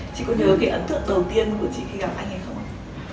chị có nhớ cái ấn tượng đầu tiên của chị khi gặp anh hay không ạ